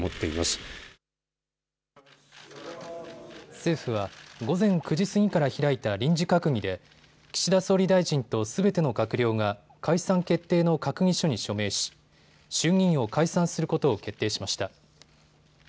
政府は午前９時過ぎから開いた臨時閣議で岸田総理大臣とすべての閣僚が解散決定の閣議書に署名し衆議院を解散することを決定しました。